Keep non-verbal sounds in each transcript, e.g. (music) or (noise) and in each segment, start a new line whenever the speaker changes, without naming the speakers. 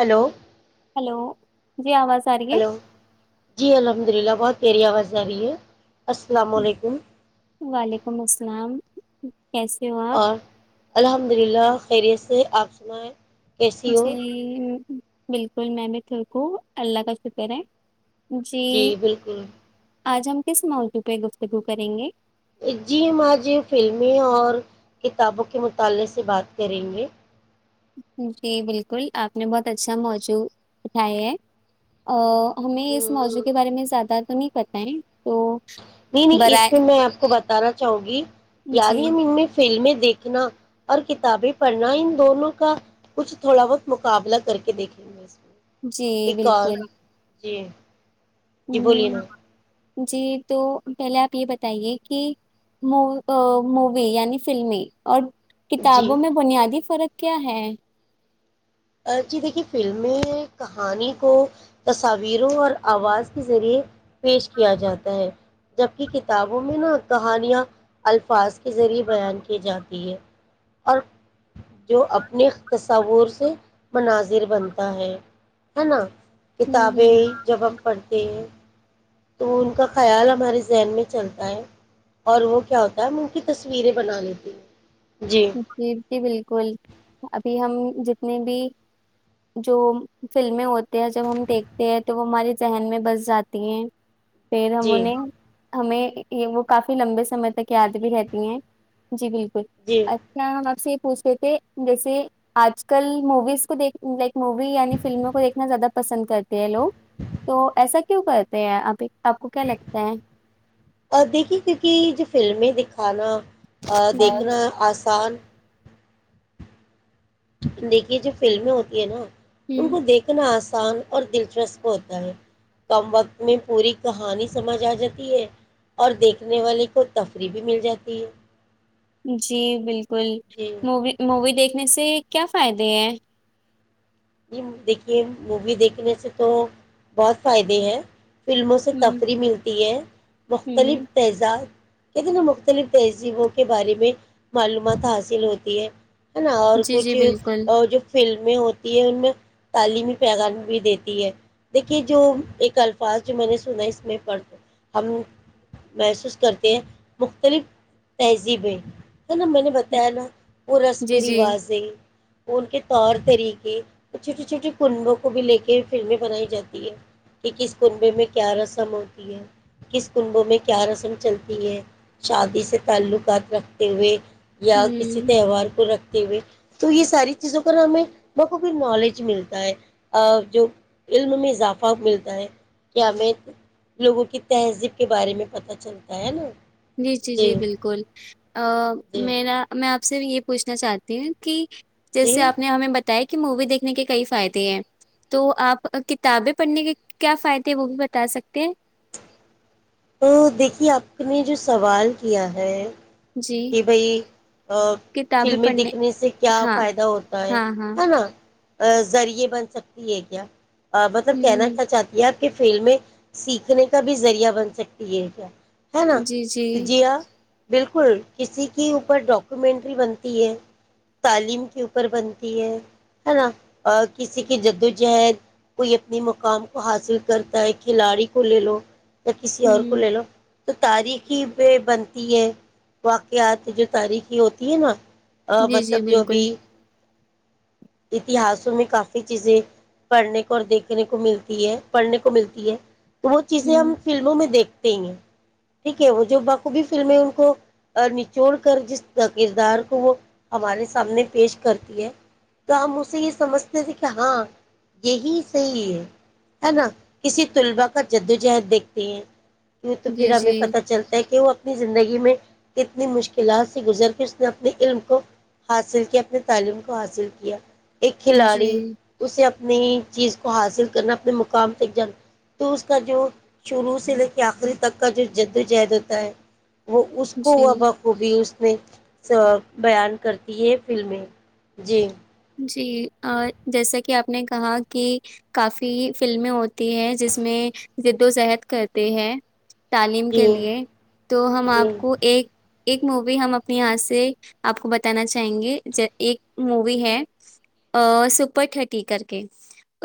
hello
hello جی آواز آ رہی ہے
ہلو جی الحمد للہ بہت پری آواز رہ ہے السلام علیکم
جی
اور الحمد للہ خیریے سے آپس میں
جی بالکل میں بھی تھکوں اللہ کا شکر ہے
جی بالکل
آج ہم کس موضع پہ گفتگو کریں گے
جی ہم آج فلمیں اور کتابوں کے مطالعے سے بات کریں گے
جی بالکل آپ نے بہت اچھا موجوع اٹھاائے ہے اور ہمیں اس
نہیں
موضوع کے بارے میں زیادہ تیں پت ہے تو
نہیں نہیں اس
برائے
میں میں آپ کو بتانا چاہوں گی
جی
یارہیں م میں فلمیں دیکھنا اور کتابیں پڑھنا ان دونوں کا کچھ تھوڑا بہت مقابلہ کر کے دیکھیں گے میں
جی
ایک اور
بالکل
جی
ہ
جی بولیے نا
جی تو پہلے آپ یہ بتائیے کہ م مووی یعنی فلمیں اور
جی
کتابوں میں بنیادی فرق کیا ہے
جی دیکھیے فلمیں کہانی کو تصاویروں اور آواز کے ذریعے پیش کیا جاتا ہے جبک کتابوں میں نا کہانیاں الفاظ کے ذریعے بیان کی جاتی ہے اور جو اپنے تصور سے مناظر بنتا ہے ہے نا
ہوں
کتابیں جب ہم پڑھتے تین تو ان کا خیال ہمارے ذہن میں چلتا ہے اور وہ کیا ہوتا ہے ہم ان کی تصویریں بنا لیتی ہیں
جی جی بالکل ابھی ہم جتنی بھی جو فلمیں ہوتی ہیں جب ہم دیکھتے ہیں تو وہ ہمارے ذہن میں بس جاتی ہیں پیر
جی
منے ہمیں یہ وہ کافی لمبے سمے تک یاد بھی رہتی ہیں جی بالکل
جی
اچھا ہم آپ سے یہ پوچھ رہتے تھے جیسے آج کل موویز کو دیکھ لائک مووی یعنی فلموں کو دیکھنا زیادہ پسند کرتے ہیں لوگ تو ایسا کیوں کرتے ہیں آپ ایک
اور دیکھیے کیونکہ ج فلمیں دکھ کھانا
ہوں اور
دیکھنا آسان دیکھیے جو فلمیں ہوتی ہے نا ان
ہوں
کو دیکھنا آس آسان اور دلچسپ ہوتا ہے کم وقت میں پوری کہانی سمجھ آ جاتی ہے اور دیکھنے والے کو تفریح بھی مل جاتی ہے
جی بالکل
جی
الکل موی مووی دیکھنے سے کیا فائدے ہیں
جی دیکھیے مووی دیکھنے سے تو بہت فائدے ہیں فلموں سے
ہوں
تفریح ملتی ہے مختلف
ہوں
تیزاد کتنا مختلف تہذیبوں کے بارے میں معلومات حاصل ہوتی ہے ہے نا اور
جی
کچھ
جی بالکل
جو فلم بھی (inaudible) ان میں تعلیمی پیغام بھی دیتی ہے دیکھیے جو ایک الفاظ جو میں نے سنا اس میں ہم محسوس کرتے ہیں مختلف تہذیبیں ہے نا میں نے بتایا نا وہ
جی
رسمی
جی
رواازیں وہ ان کے طور طریقے چھوٹیے چھوٹے کنبوں کو بھی لے کے فلمیں بنائی جاتی ہے کہ کس کنبے میں کیا رسم ہوتی ہے کس کنبوں میں کیا رسم چلتی ہے شادی سے تعلقات رکھتے ہوئے یا کسی
ہوں
تہوار کو رکھ ہو تو یہ ساری چیزوں پر ہمیں ان کو کو نالج ملتا ہے اور جو علم میں اضافہ ملتا ہے کیا ہمیں لوگوں کی تہذیب کے بارے میں پتہ چلتا ہے نا
جی جی جی بالکل
جی
میرا میں آپ آ سے بھی یہ پوچھنا چاہتی ہیں کی جیس
جی
سے آپ نے ہمیں ب کہ مووی دیکھنے کے کئی فائدے ہیں تو آپ کتابیں پڑھنے کے کیا فائدے ہیں وہ بھی بتا سکتے ہیں
ا دیکھیے آپ نے جو سوال کیا ہے
جی
کہ بھائی
کتابیں
فلمیں
پڑھنے
دیککھنے سے کیا
ہاں
فائدہ ہوتا ہے
ہاں ہاں
ہے نا ذریعے بن سکتی ہے کیا مطلب کہنا
ہ
کیا چاہتی ہے آپ کہ فلم میں سیکھنے کا بھی ذریعہ بن سکتی ہے کیا ہے نا جی ہا بالکل کسی کے اوپر ڈاکومینٹری بنتی ہے تعلیم کے اوپر بنتی ہے ہے نا کسی کی جد و جہد کوئی اپنی مقام کو حاصل کرتا ہے کھلاڑی کو لے لو یا کسی اور کو
ہوں
لے لو تو تاریخی پ بنتی ہے واقعات جو تاریخی ہوتی ہے نا ا
جی
مطلب
جی
جو
بالکل
بھی اتہاسوں میں کافی چیزیں پڑھنے کو اور دیکھنے کو ملتی ہے پڑھنے کو ملتی ہے وہ چیزیں ہم
ہوں
فلموں میں دیکھ ٹھیک ہے وہ جو بخوبی فلمیں ان کو نچوڑ کر جس کردار کو وہ ہمارے سامنے پیش کرتی ہے تو ہم اسے یہ سمجھتے تھے کہ ہاں یہی صحیح ہے ہے نا کسی طلباء کا جدوجہد دیکھتے ہیں کیوں تو پھر
جی
ہمیں
جی
پتا چلتا ہے کیوں اپنی زندگی میں کتنی مشکلات سے گزر کے اس نے اپنے علم کو حاصل کیا اپنی تعلیم کو حاصل یا (unintelligible) ایک کھلاڑی
جی
اسے نئی چیز کو حاصل کرنا اپنے مقام تک جانا تو اس کا جو شروع سے لے کے آخری تک کا جو جدوجہد ہوتا ہے وہ اس کو وہ
جی
بخوبی اس میں بیان کرتی ہے فلمیں جی
جی جیسا کہ آپ نے کہا کہ کافی فلمیں ہوتی ہیں جس میں جد و زہد کرتے ہیں تعلیم کے
جی
لیے تو ہم
جی
آپ کو ایک ایک مووی ہم اپنی یہاں سے آپ کو بتانا چاہیں گے ایک مووی ہے سپر تھرٹی کر کے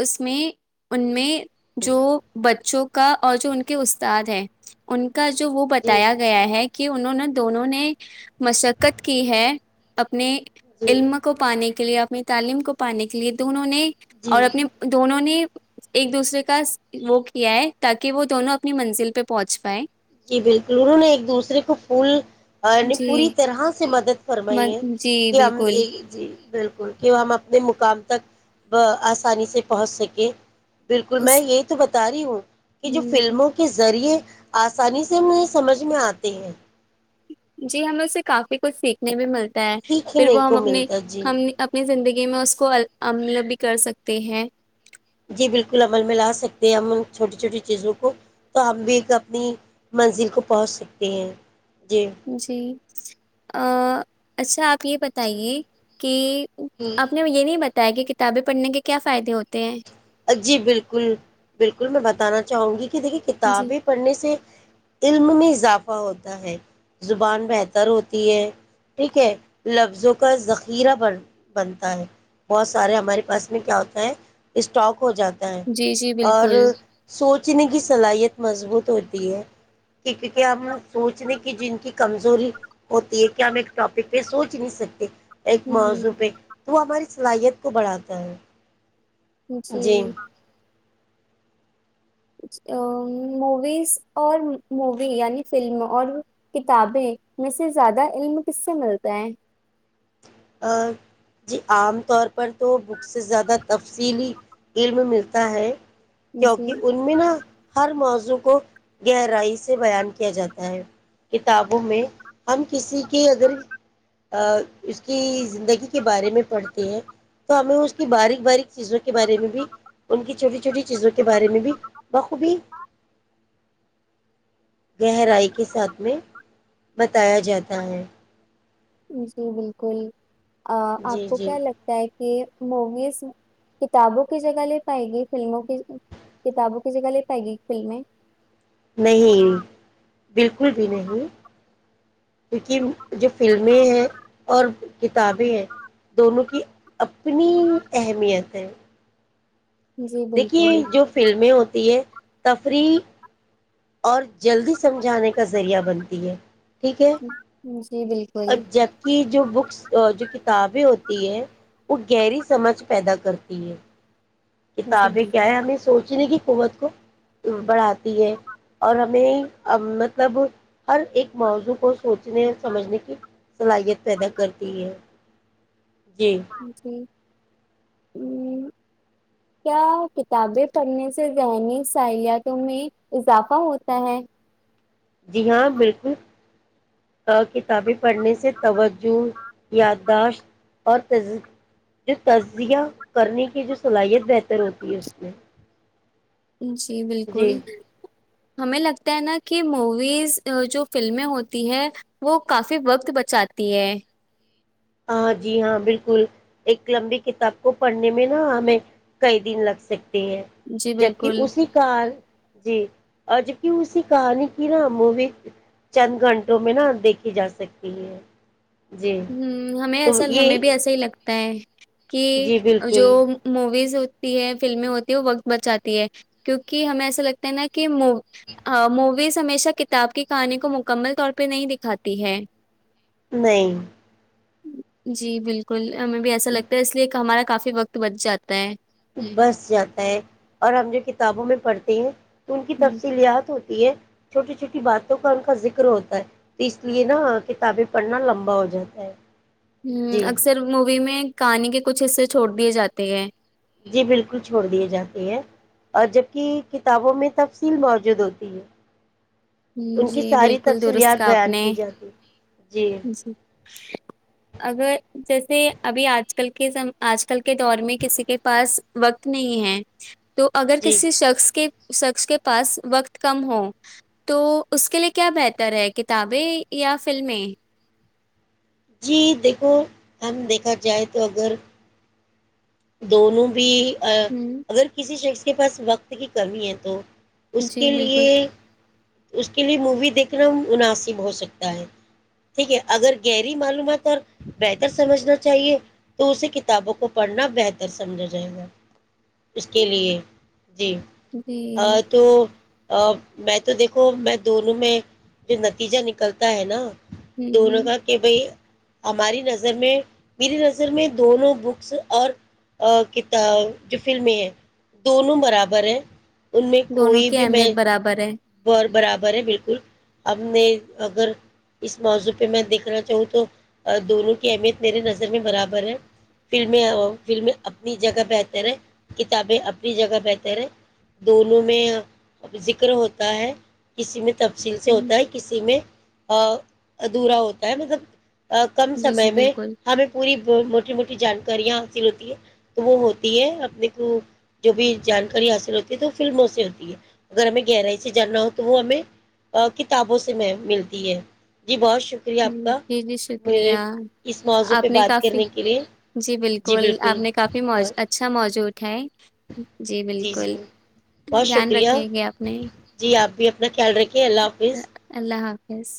اس میں ان میں جو بچوں کا اور جو ان کے استاد ہیں ان کے کا جو وہ
جی
بتایا گیا ہے کہ انہوں نے دونوں نے مشقت کی ہے اپنے
جی
علم کو پانے کے لیے آ میں تعلیم کو پانے کے لیے تو انہوں نے
جی
اور اپنے دونوں نے ایک دوسرے کا وہ کیا ہے تاکہ وہ دونوں اپنی منزل پہ پہنچ پائے
جی بالکل انہوں نے ایک دوسرے کو فول نے پوری
جی
طرح سے مدد
من
فرمائی ہے
جی
کہ ہم
بالکل
ایک جی بالکل کہ ہم اپنے مقام تک آسانی سے پہنچ سکیں بالکل میں
اس
یہ تو بتا رہی ہوں کہ جو
ہ
فلموں کے ذریعے آ (unintelligible) آسانی سے ہمیں سمجھ میں آتے ہیں
جی ہمیں اس سے کافی کچھ سیکھنے بھی مل ہیں پھر
سیکھنے
وہ
کو ملتا ہے جی
ہم اپنی زندگی میں اس کو بھی کر سکتے ہیں
جی بالکل عمل میں لا سکتے ہیں ہم ان چھوٹی چھوٹی چیزوں کو تو ہم بھی اپنی منزل کو پہنچ سکتے ہیں جی
جی ا اچھا آپ یہ بتائیے کہ
ہوں
آپ نے یہ نہیں بتا تا کہ کتابیں پڑھنے کے کیا فائدے ہوتے ہیں
جی بالکل بالکل میں بتانا چاہوں گی کہ دیکھیے
جی
کتابیں پڑھنے سے علم میں اضافہ ہوتا ہے زبان بہتر ہوتی ہے ٹھیک ہے لفظوں کا ذخیرہ بن بنتا ہے بہت سارے ہمارے پاس میں کیا ہوتا ہے اسٹاک ہو جاتا ہے
جی جی
اور
بالکل
سوچنے کی صلاحیت مضبوط ہوتی ہے کہ کیونکہ ہم سوچنے کہ جن کی کمزوری ہوتی ہے کیا ہم ایک ٹاپک پہ سوچ نہیں سکتے ایک موضوع پہ
ہ
تو وہ ہماری صلاحیت کو بڑھاتا ہےوں
جی موویز اور مووی یعنی فلم اور کتابیں میں سے زیادہ علم کس سے ملتا ہے
اور جی عام طور پر تو بک سے زیادہ تفصیلی علم ملتا ہے
جی
کیونکہ ان میں نا (unintelligible) ہر موضوع کو گہرائی سے بیان کیا جاتا ہے کتابوں میں ہم کسی کے اگر اس کی زندگی کے بارے میں پڑھتے ہیں تو ہمیں اس کی باریک باریک چیزوں کے بارے میں بھی ان کی چھوٹی چھوٹی چیزوں کے بارے میں بھی بخوبی گہرائی کے ساتھ میں بتایا جاتا ہے
جی بالکل ا آپ
جی
کو
جی
کیا لگتا ہے یہ موویز کتابوں کی جگہ لے پائے گی فلموں کی کتابوں کی جگہ لے پائے گی فلمیں
نہیں بالکل بھی نہیں کیونکہ جو فلمیں ہیں اور کتابیں ہیں دونوں کی اپنی اہمیت ہے
جی
دیکھیے
بالکل
جو فلمیں ہوتی ہے تفریح اور جلدی سمجھانے کا ذریعہ بنتی ہے ٹھیک ہے
جی بالکل
اھا کی جو بکس جو تابیں ہوتی ہے وہ گہری سمجھ پیدا کرتی ہے
جی
کتابیں
بالکل
کیا ہے ہمیں سوچی کہ حکومت کو بڑھاتی ہے اور ہمیں مطلب ہر ایک موضوع کو سوچنے اور سمجھنے کی صلاحیت پیدا کرتی ہے جی
ہاں جی کیا کتابیں پڑھنے سے ذہنی صلالاحتوں میں اضافہ ہوتا ہے
جی ہاں بالکل کتابیں پڑھنے سے توجہ یادداشت اور جو تجزیہ کرنے کی جو صلاحیت بہتر ہوتی ہے اس میں
جی بالکل ہمیں لگتا ہے نا کہ موویز جو فلمیں ہوتی ہے وہ کافی وقت بچاتی ہے
ہاں جی ہاں بالکل ایک لمبی کتاب کو پڑھنے میں نا ہمیں کئی دن لگ سکتے
جی
جبک
بالکل
اسی کار جی اورج کی اسی کہانی کی نا مووی چند گھنٹوں میں نا دیکھی جا سکتی ہے جی
ہمم ہمیں
تو
اصل ہمیں
یہ
بھی ایسا ہی لگتا ہے ج (unintelligible)
جی
کہ جو
بالکل
مویز ہو تی فلمیں ہوتی ہے وہ وقت بچاتی ہے کیونکہ ہمیں ایسا لگتا ہے نا کہ م میز ہمیشہ کتاب کی کہانی کو مکمل طور پہ نہیں دکھاتی ہے
نہیں
جی بالکل ہمیں بھی ایسا لگتا ہے اس لیے کہ ہمارا کافی وقت بچ جاتا ہے
بس جاتا ہے اور ہم جو کتابوں میں پڑھتے ہیں ان کی تفصیلیات ہو چھوٹی چھوٹی باتوں کا ان کا ذکر ہوتا ہے تو اس لیے نا کتابیں پڑھنا لمبا ہو جاتا ہے
ہ
جی
اکثر مووی میں کہانی کے کچھ حصے چھوڑ دیے جاتے ہیں
جی بالکل چھوڑ دیے جاتے ہیں اور جبک کتابوں میں تفصیل موجود ہوتی ہے
ہ
ان کی
جی
ساری
بالکل درست
تفصیلیات
آپ
بیان
نے
کی جاتی
جی اگر جیسے ابھی آج کل کے آج کل کے دور میں کسی کے پاس وقت نہیں ہے تو اگر
جی
کسی شخص کے شخص کے پاس وقت کم ہو تو اس کے لیے کیا بہتر ہے کتابیں یا فلمیں
جی دیکھو ہم دیکھا جائے تو اگر دونوں بھی
ہوں
اگر کسی شخص اس کے پاس وقت کی کمی ہے تو اس
جی
کے لیے
بالکل
اس کے لیے مووی دیکھنا مناسب ہو سکتا ہے ٹھیک ہے اگر گہری معلومات اور بہتر سمجھنا چاہیے تو اسے کتابوں کو پڑھنا بہتر سمجھا جائے گا اس کے لیے جی
جی
تو میں تو دیکھو میں دونوں میں جو نتیجہ نکلتا ہے نا
ہوں
دونوں
ہوں
کا کہ بھائی ہماری نظر میں میری نظر میں دونوں بکس اور کتا جو فلمیں ہیں دونوں برابر ہیں ان میں
دونوں
کوئی
کی
بھی میں
اہمیت برابر ہے
بر برابر ہے بالکل ہم نے اگر اس موضوع پہ میں دیکھنا چاہوں تو دونوں کی اہمیت میرے نظر میں برابر ہے فلمیں فلم اپنی جگہ بہتر ہے کتابیں اپنی جگہ بہتر ہے دونوں میں ذکر ہوتا ہے کسی میں تفصیل سے
ہوں
ہوتا ہے کسی میں ادھورا ہوتا ہے مطلب کم
جی
سمے
جی
میں
بالکل
ہمیں پوری موٹی موٹی جانکاریاں حاصل ہوتی ہے تو وہ ہوتی ہے اپنے کو جو بھی جانکاری حاصل ہوتی ہے تو وہ فلموں سے ہوتی ہے اگر ہمیں گہرائی سے جاننا ہو تو وہ ہمیں کتابوں سے میں ملتی ہے جی بہش
ج جی جی شکریہ
اس موضوع پہ
آپ نے
بات
کافی
کرنے کے لیے
جی بالکل آپ نے کافی م
بہت
اچھا موجود ہے جی بالکل
بہت
دھیان رکھیے گ آپ نے
کیا رہ اوکے اللہ حافظ
یس